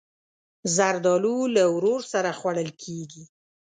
زردالو له ورور سره خوړل کېږي.